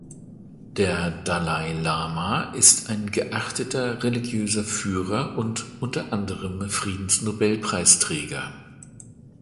Der Dalai Lama ist ein geachteter religiöser Führer und unter anderem Friedensnobelpreisträger.